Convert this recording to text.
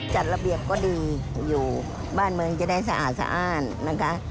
จัดระเบียบก็ดีอยู่บ้านเมืองจะได้สะอาดสะอ้านนะคะ